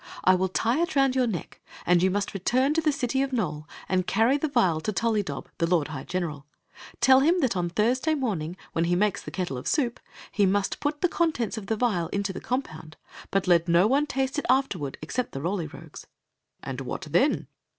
I will tie it around your neck, and you must return to the city of Nole and carry the vial to Tollydob, the lord high general Tell him that on Thursday morning, when he makes the kettle of soup, he must put the contents of the vial into the compound. But let no one taste it afterward except the Roly Rogues." And what then?